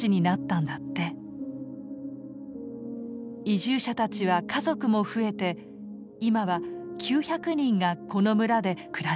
移住者たちは家族も増えて今は９００人がこの村で暮らしている。